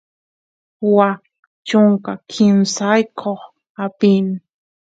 waa chunka kimsayoq apin